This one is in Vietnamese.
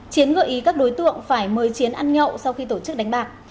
chiến gợi ý các đối tượng phải mời chiến ăn nhậu sau khi tổ chức đánh bạc